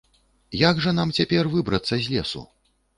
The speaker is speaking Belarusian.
- Як жа нам цяпер выбрацца з лесу?